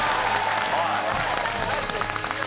ナイスです。